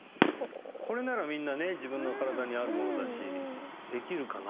これならみんなね自分の身体にあるものだしできるかな？